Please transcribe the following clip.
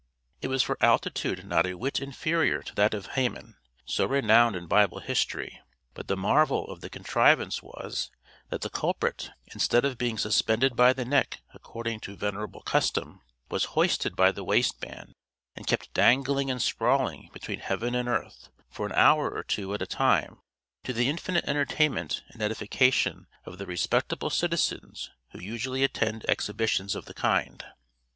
It was for altitude not a whit inferior to that of Haman, so renowned in Bible history; but the marvel of the contrivance was, that the culprit, instead of being suspended by the neck according to venerable custom, was hoisted by the waistband, and kept dangling and sprawling between heaven and earth for an hour or two at a time, to the infinite entertainment and edification of the respectable citizens who usually attend exhibitions of the kind.